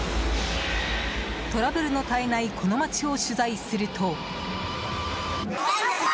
トラブルの絶えないこの街を取材すると。